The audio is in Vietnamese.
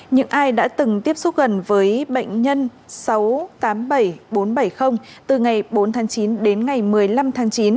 những ai đã từng tiếp xúc gần với bệnh nhân sáu trăm tám mươi bảy bốn trăm bảy mươi từ ngày bốn tháng chín đến ngày một mươi năm tháng chín